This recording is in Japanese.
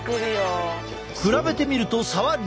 比べてみると差は歴然！